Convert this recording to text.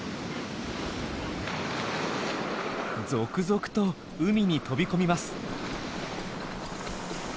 続々と海に飛び込みます。